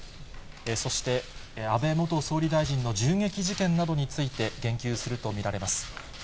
そして、安倍元総理大臣の銃撃事件などについて、言及すると見られます。